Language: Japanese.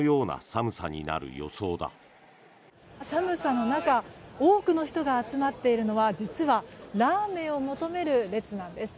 寒さの中多くの人が集まっているのは実はラーメンを求める列なんです。